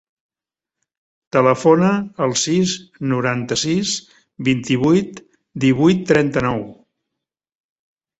Telefona al sis, noranta-sis, vint-i-vuit, divuit, trenta-nou.